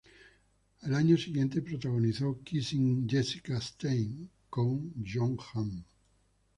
El año siguiente protagonizó "Kissing Jessica Stein" with Jon Hamm.